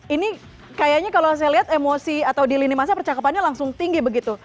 ini kayaknya kalau saya lihat emosi atau di lini masa percakapannya langsung tinggi begitu